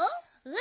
え！？